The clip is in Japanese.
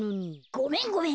ごめんごめん。